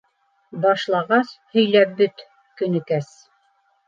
Башлағас, һөйләп бөт, Көнөкәс...